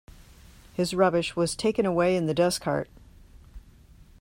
His rubbish was taken away in the dustcart